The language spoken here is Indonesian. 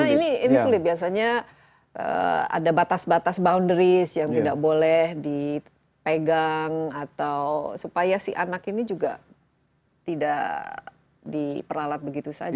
karena ini sulit biasanya ada batas batas boundaries yang tidak boleh dipegang atau supaya si anak ini juga tidak diperalat begitu saja